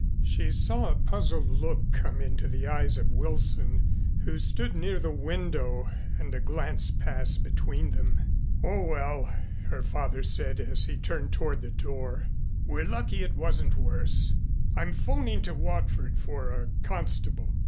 She saw a puzzled look come into the eyes of Wilson, who stood near the window, and a glance passed between them. "Oh, well," her father said as he turned toward the door, "we're lucky it wasn't worse. I'm 'phoning to Watford for a constable."